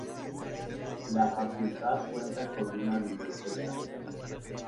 La facultad cuenta con una biblioteca.